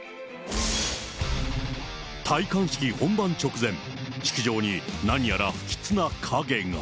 戴冠式本番直前、式場に何やら不吉な影が。